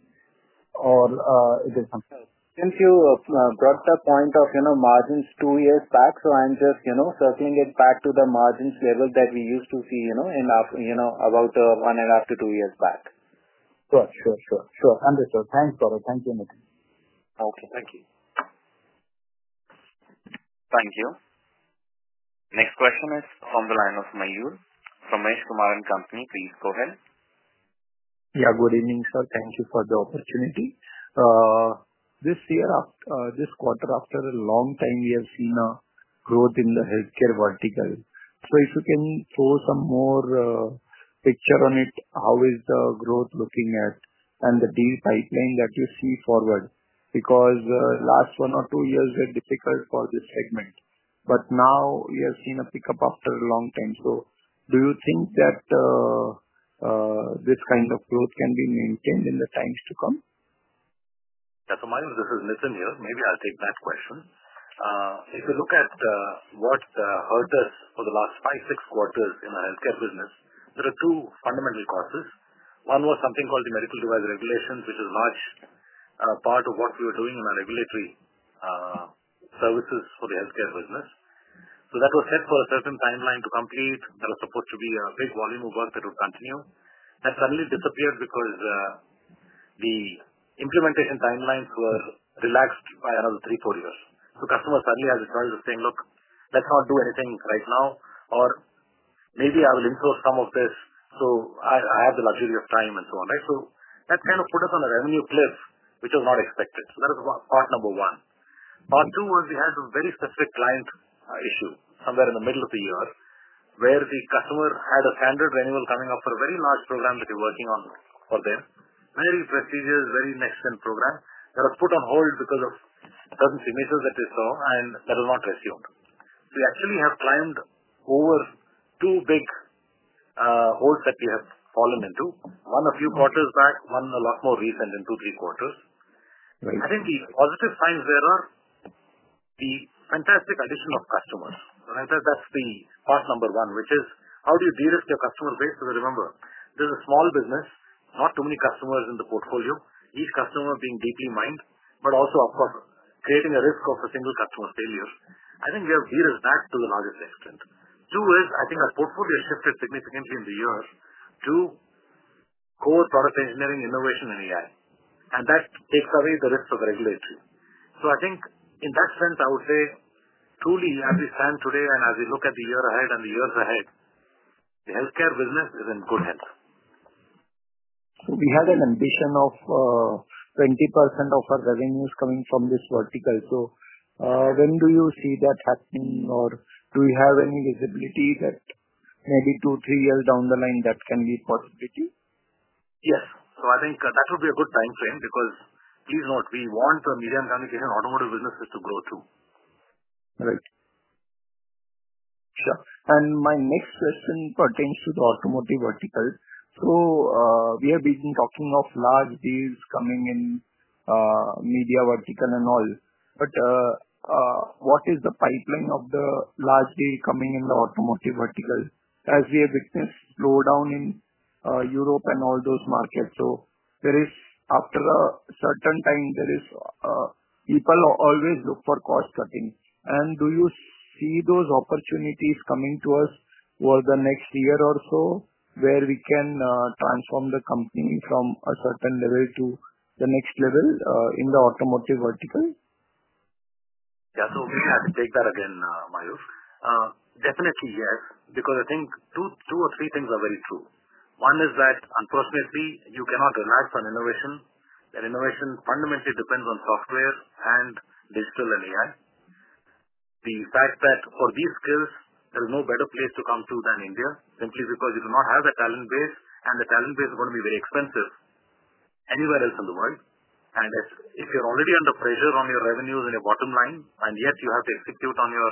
or it is something? Since you brought the point of margins two years back, I'm just circling it back to the margins level that we used to see about one and a half to two years back. Sure. Understood. Thanks, Gaurav. Thank you, Nitin. Okay. Thank you. Thank you. Next question is from the line of Mahir from Mahish Kumar and Company, please go ahead. Yeah. Good evening, sir. Thank you for the opportunity. This quarter, after a long time, we have seen a growth in the healthcare vertical. If you can throw some more picture on it, how is the growth looking at and the deal pipeline that you see forward? Because last one or two years were difficult for this segment, but now we have seen a pickup after a long time. Do you think that this kind of growth can be maintained in the times to come? Yeah. My name is Nitin here. Maybe I'll take that question. If you look at what hurt us for the last five, six quarters in the healthcare business, there are two fundamental causes. One was something called the medical device regulations, which is a large part of what we were doing in our regulatory services for the healthcare business. That was set for a certain timeline to complete. There was supposed to be a big volume of work that would continue. That suddenly disappeared because the implementation timelines were relaxed by another three, four years. Customers suddenly had the choice of saying, "Look, let's not do anything right now," or, "Maybe I will insource some of this so I have the luxury of time," and so on, right? That kind of put us on a revenue cliff, which was not expected. That was part number one. Part two was we had some very specific client issue somewhere in the middle of the year where the customer had a standard renewal coming up for a very large program that we're working on for them, very prestigious, very next-gen program. That was put on hold because of certain signatures that they saw, and that was not resumed. We actually have climbed over two big holes that we have fallen into, one a few quarters back, one a lot more recent in two-three quarters. I think the positive signs there are the fantastic addition of customers. That is the part number one, which is how do you de-risk your customer base? Because remember, this is a small business, not too many customers in the portfolio, each customer being deeply mined, but also, of course, creating a risk of a single customer failure. I think we have de-risked that to the largest extent. Two is I think our portfolio shifted significantly in the year to core product engineering, innovation, and AI, and that takes away the risk of regulatory. I think in that sense, I would say truly as we stand today and as we look at the year ahead and the years ahead, the healthcare business is in good health. We had an ambition of 20% of our revenues coming from this vertical. When do you see that happening, or do we have any visibility that maybe two, three years down the line that can be a possibility? Yes. I think that would be a good time frame because please note, we want the medium-term location automotive businesses to grow too. Right. Sure. My next question pertains to the automotive vertical. We have been talking of large deals coming in media vertical and all, but what is the pipeline of the large deal coming in the automotive vertical as we have witnessed slowdown in Europe and all those markets? After a certain time, people always look for cost cutting. Do you see those opportunities coming to us over the next year or so where we can transform the company from a certain level to the next level in the automotive vertical? Yeah. Maybe I can take that again, Mahir. Definitely, yes, because I think two or three things are very true. One is that unfortunately, you cannot relax on innovation. That innovation fundamentally depends on software and digital and AI. The fact that for these skills, there is no better place to come to than India simply because you do not have a talent base, and the talent base is going to be very expensive anywhere else in the world. If you're already under pressure on your revenues and your bottom line, and yet you have to execute on your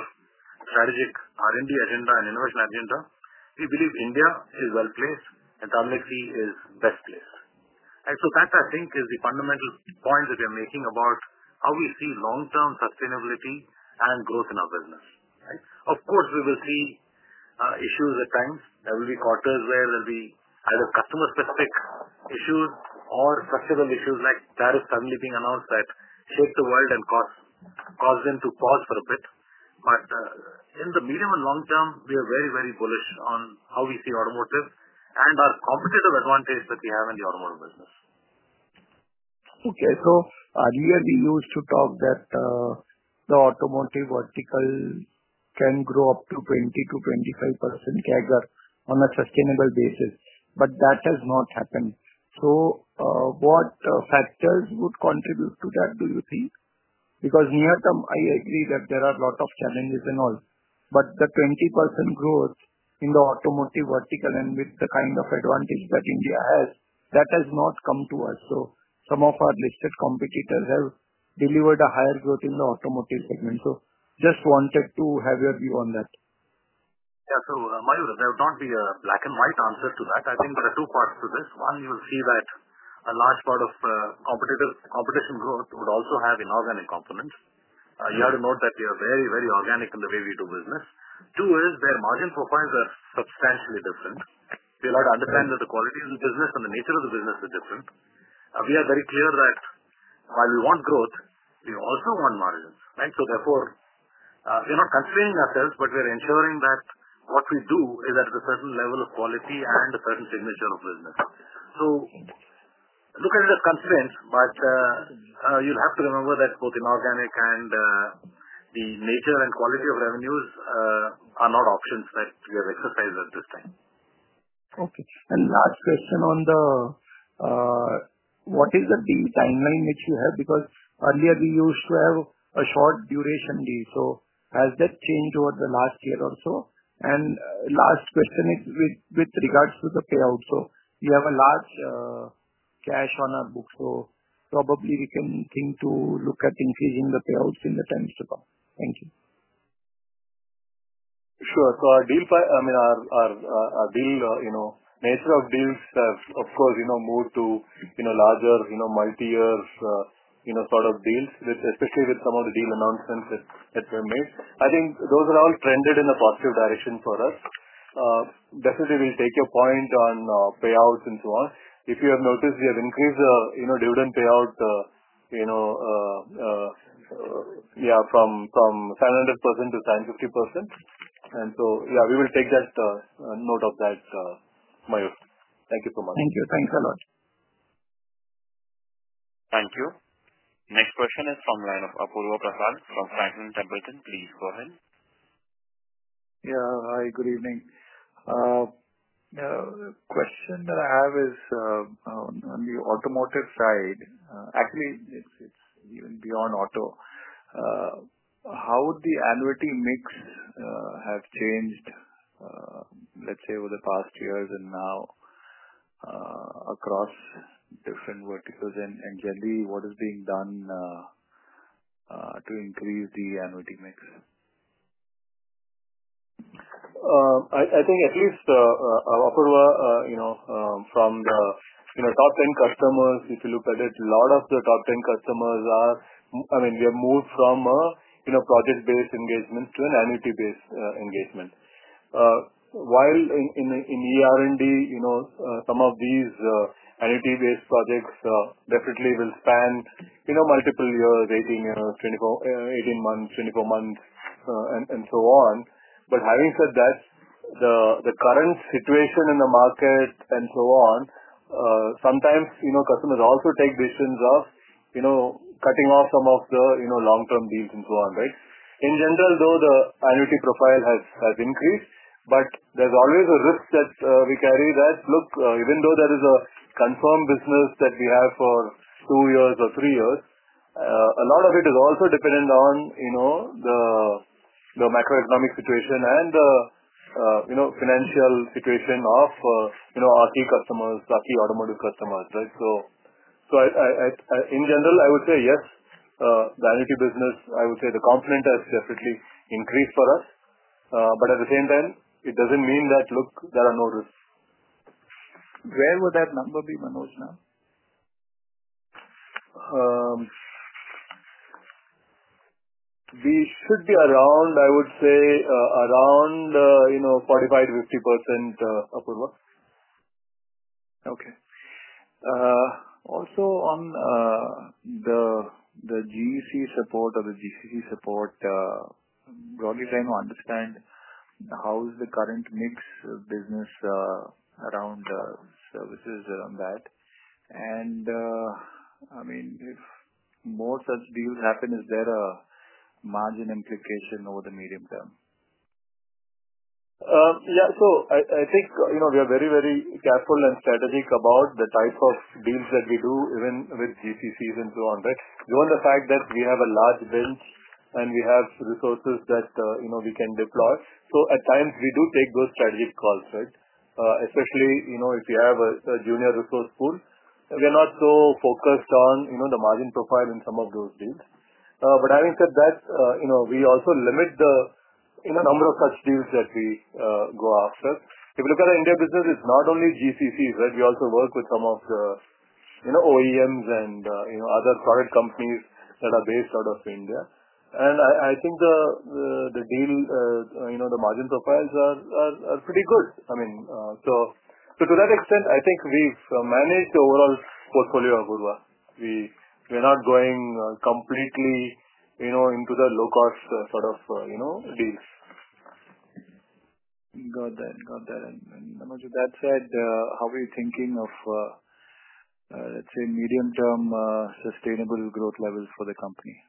strategic R&D agenda and innovation agenda, we believe India is well placed, and Tata Elxsi is best placed. That, I think, is the fundamental point that we are making about how we see long-term sustainability and growth in our business, right? Of course, we will see issues at times. There will be quarters where there will be either customer-specific issues or structural issues like tariffs suddenly being announced that shake the world and cause them to pause for a bit. In the medium and long term, we are very, very bullish on how we see automotive and our competitive advantage that we have in the automotive business. Okay. Earlier, we used to talk that the automotive vertical can grow up to 20% to 25% CAGR on a sustainable basis, but that has not happened. What factors would contribute to that, do you think? Because near term, I agree that there are a lot of challenges and all, but the 20% growth in the automotive vertical and with the kind of advantage that India has, that has not come to us. Some of our listed competitors have delivered a higher growth in the automotive segment. Just wanted to have your view on that. Yeah. So Mahir, there would not be a black and white answer to that. I think there are two parts to this. One, you'll see that a large part of competition growth would also have inorganic components. You have to note that we are very, very organic in the way we do business. Two is their margin profiles are substantially different. We have to understand that the quality of the business and the nature of the business is different. We are very clear that while we want growth, we also want margins, right? Therefore, we're not constraining ourselves, but we're ensuring that what we do is at a certain level of quality and a certain signature of business. Look at it as constraints, but you'll have to remember that both inorganic and the nature and quality of revenues are not options that we have exercised at this time. Okay. Last question on the what is the deal timeline which you have? Because earlier, we used to have a short duration deal. Has that changed over the last year or so? Last question with regards to the payout. We have a large cash on our book. Probably we can think to look at increasing the payouts in the times to come. Thank you. Sure. Our deal, I mean, our deal nature of deals have, of course, moved to larger, multi-year sort of deals, especially with some of the deal announcements that were made. I think those are all trended in a positive direction for us. Definitely, we'll take your point on payouts and so on. If you have noticed, we have increased the dividend payout, yeah, from INR 700% to INR 750%. Yeah, we will take note of that, Mahir. Thank you so much. Thank you. Thanks a lot. Thank you. Next question is from the line of Apurva Prasad from Franklin Templeton. Please go ahead. Yeah. Hi. Good evening. Question that I have is on the automotive side. Actually, it's even beyond auto. How would the annuity mix have changed, let's say, over the past years and now across different verticals? Generally, what is being done to increase the annuity mix? I think at least Apurva, from the top 10 customers, if you look at it, a lot of the top 10 customers are, I mean, we have moved from a project-based engagement to an annuity-based engagement. While in ER&D, some of these annuity-based projects definitely will span multiple years, 18 months, 24 months, and so on. Having said that, the current situation in the market and so on, sometimes customers also take decisions of cutting off some of the long-term deals and so on, right? In general, though, the annuity profile has increased, but there's always a risk that we carry that, look, even though there is a confirmed business that we have for two years or three years, a lot of it is also dependent on the macroeconomic situation and the financial situation of our key customers, our key automotive customers, right? In general, I would say yes, the annuity business, I would say the component has definitely increased for us. At the same time, it doesn't mean that, look, there are no risks. Where would that number be, Manoj now? We should be around, I would say, around 45%-50%, Apurva. Okay. Also on the GCC support, broadly, trying to understand how is the current mix of business around services around that. I mean, if more such deals happen, is there a margin implication over the medium term? Yeah. I think we are very, very careful and strategic about the type of deals that we do, even with GCCs and so on, right? Beyond the fact that we have a large bench and we have resources that we can deploy. At times, we do take those strategic calls, right? Especially if you have a junior resource pool, we are not so focused on the margin profile in some of those deals. Having said that, we also limit the number of such deals that we go after. If you look at the India business, it is not only GCCs, right? We also work with some of the OEMs and other product companies that are based out of India. I think the deal, the margin profiles are pretty good. I mean, to that extent, I think we have managed the overall portfolio of Apurva. We are not going completely into the low-cost sort of deals. Got that. Got that. Manoj, with that said, how are you thinking of, let's say, medium-term sustainable growth levels for the company?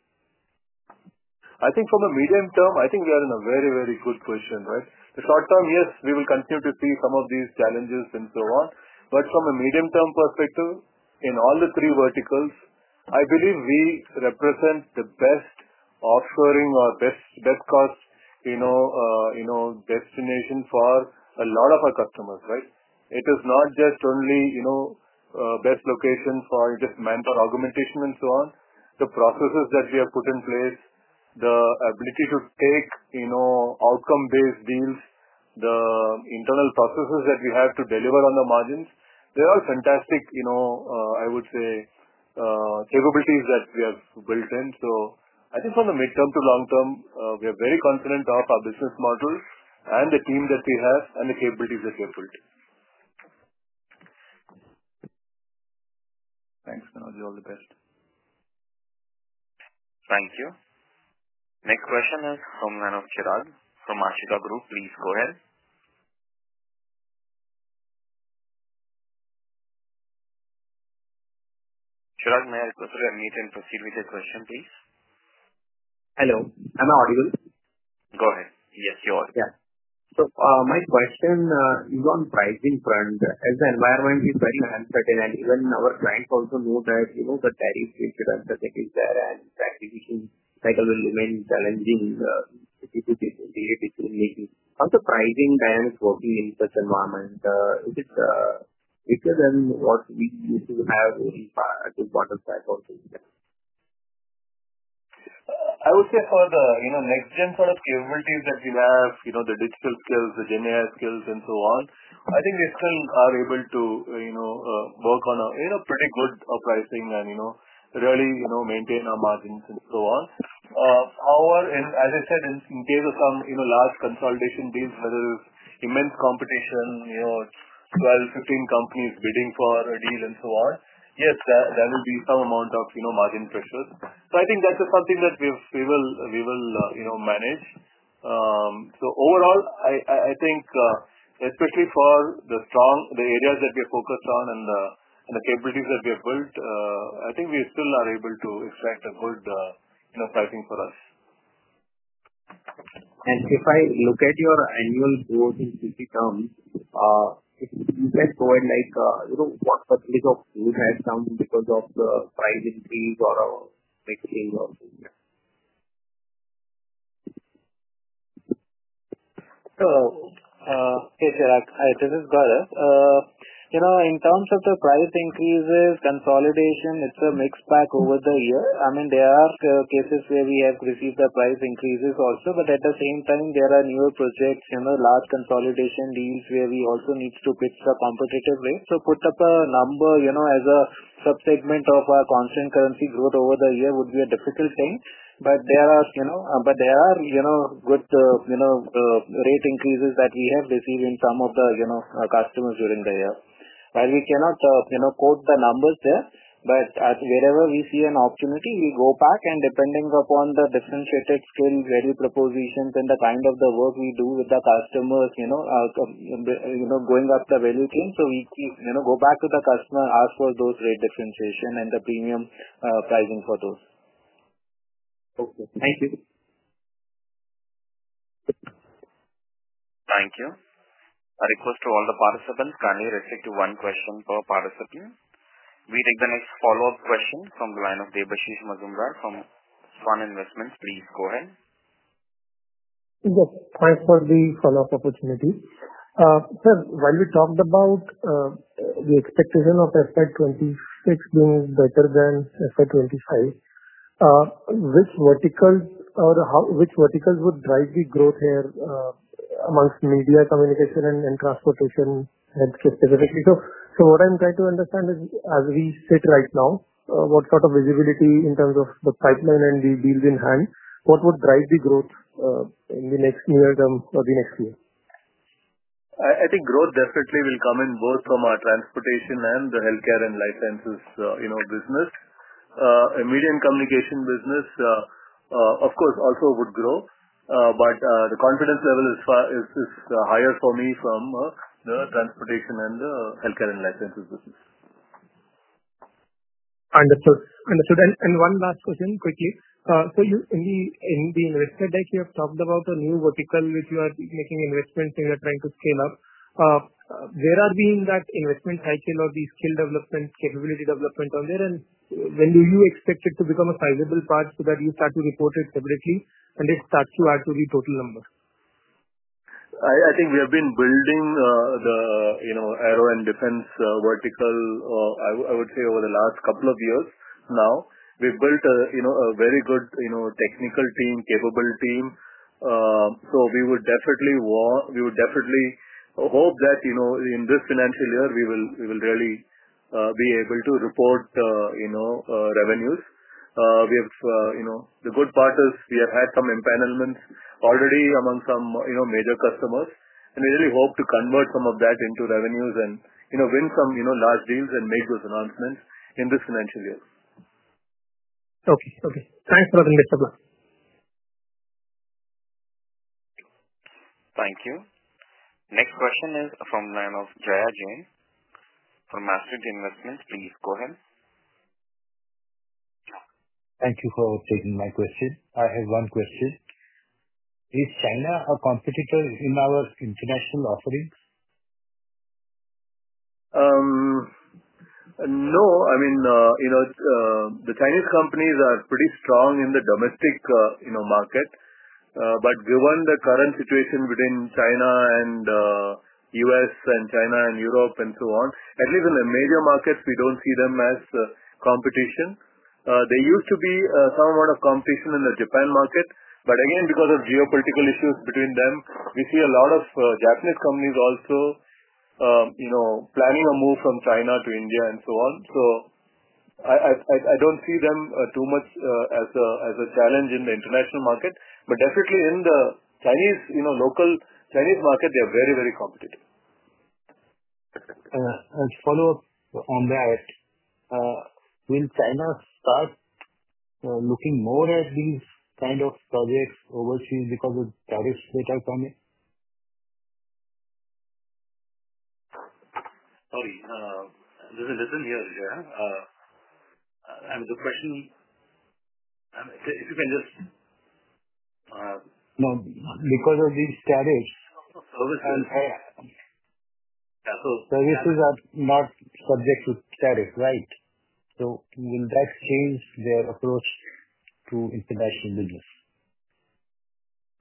I think from a medium term, I think we are in a very, very good position, right? The short term, yes, we will continue to see some of these challenges and so on. From a medium-term perspective, in all the three verticals, I believe we represent the best offshoring or best-cost destination for a lot of our customers, right? It is not just only best location for just manpower augmentation and so on. The processes that we have put in place, the ability to take outcome-based deals, the internal processes that we have to deliver on the margins, they are fantastic, I would say, capabilities that we have built in. I think from the midterm to long term, we are very confident of our business model and the team that we have and the capabilities that we have built. Thanks, Manoj. All the best. Thank you. Next question is from the line of Chirag from Ashika Group. Please go ahead. Chirag, may I request you to unmute and proceed with your question, please? Hello. Am I audible? Go ahead. Yes, you're audible. Yeah. My question is on pricing front. As the environment is very uncertain, and even our clients also know that the tariffs which are uncertain is there, and the acquisition cycle will remain challenging in the latest indeed. How is the pricing dynamics working in such an environment? Is it weaker than what we used to have in the bottom side for things? I would say for the next-gen sort of capabilities that we have, the digital skills, the GenAI skills, and so on, I think we still are able to work on a pretty good pricing and really maintain our margins and so on. However, as I said, in case of some large consolidation deals, where there is immense competition, 12-15 companies bidding for a deal and so on, yes, there will be some amount of margin pressure. I think that is something that we will manage. Overall, I think, especially for the areas that we are focused on and the capabilities that we have built, I think we still are able to extract a good pricing for us. If I look at your annual growth in GC terms, if you can provide what percentage you have done because of the price increase or mixing of? This is Gaurav. In terms of the price increases, consolidation, it's a mixed pack over the year. I mean, there are cases where we have received the price increases also, but at the same time, there are newer projects, large consolidation deals where we also need to pitch the competitive rate. To put up a number as a subsegment of our constant currency growth over the year would be a difficult thing. There are good rate increases that we have received in some of the customers during the year. While we cannot quote the numbers there, wherever we see an opportunity, we go back and depending upon the differentiated skill, value proposition, and the kind of the work we do with the customers, going up the value chain. We go back to the customer, ask for those rate differentiation and the premium pricing for those. Okay. Thank you. Thank you. A request to all the participants, kindly restrict to one question per participant. We take the next follow-up question from the line of Debanshish Mazumudar from Svan Investments. Please go ahead. Yes. Thanks for the follow-up opportunity. Sir, while we talked about the expectation of FY 2026 being better than FY 2025, which verticals would drive the growth here amongst media communication and transportation healthcare specifically? What I'm trying to understand is, as we sit right now, what sort of visibility in terms of the pipeline and the deals in hand, what would drive the growth in the next near term or the next year? I think growth definitely will come in both from our transportation and the healthcare and licenses business. A media and communication business, of course, also would grow, but the confidence level is higher for me from the transportation and the healthcare and licenses business. Understood. Understood. One last question, quickly. In the investment deck, you have talked about a new vertical which you are making investments in and you are trying to scale up. Where are we in that investment cycle or the skill development, capability development on there? When do you expect it to become a sizable part so that you start to report it separately and it starts to add to the total number? I think we have been building the aero and defense vertical, I would say, over the last couple of years now. We've built a very good technical team, capable team. We would definitely hope that in this financial year, we will really be able to report revenues. The good part is we have had some empanelments already among some major customers. We really hope to convert some of that into revenues and win some large deals and make those announcements in this financial year. Okay. Okay. Thanks for the context, Manoj Thank you. Next question is from the line of Jaya Jain from Mastery Investments, please go ahead. Thank you for taking my question. I have one question. Is China a competitor in our international offerings? No. I mean, the Chinese companies are pretty strong in the domestic market. But given the current situation within China and the U.S. and China and Europe and so on, at least in the major markets, we do not see them as competition. There used to be some amount of competition in the Japan market. But again, because of geopolitical issues between them, we see a lot of Japanese companies also planning a move from China to India and so on. I do not see them too much as a challenge in the international market. But definitely in the local Chinese market, they are very, very competitive. As a follow-up on that, will China start looking more at these kind of projects overseas because of tariffs that are coming? Sorry. Listen here, Jaya. I mean, the question if you can just. No. Because of these tariffs. Services and. Services are not subject to tariff, right? Will that change their approach to international business?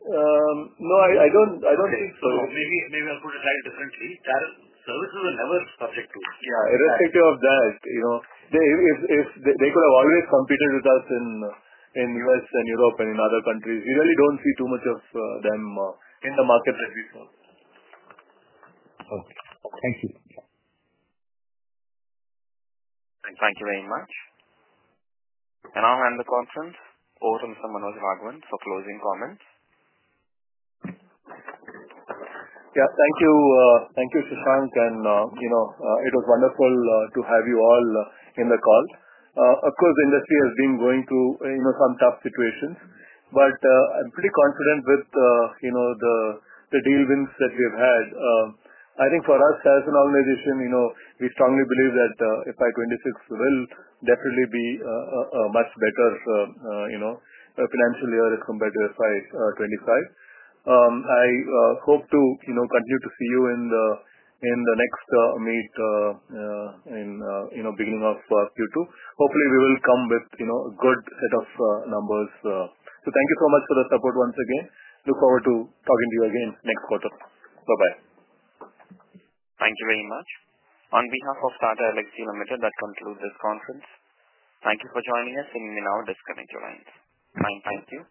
No, I don't think so. Maybe I'll put it slightly differently. Services are never subject to. Yeah. Irrespective of that, they could have always competed with us in the U.S. and Europe and in other countries. We really don't see too much of them in the market as we saw. Okay. Thank you. Thank you very much. Can I hand the conference over to Mr. Manoj Raghavan for closing comments? Yeah. Thank you, Shashank. It was wonderful to have you all in the call. Of course, the industry has been going through some tough situations. I am pretty confident with the deal wins that we have had. I think for us as an organization, we strongly believe that FY 2026 will definitely be a much better financial year compared to FY 2025. I hope to continue to see you in the next meet in the beginning of Q2. Hopefully, we will come with a good set of numbers. Thank you so much for the support once again. Look forward to talking to you again next quarter. Bye-bye. Thank you very much. On behalf of Tata Elxsi, that concludes this conference. Thank you for joining us. You may now disconnect your lines. Thank you.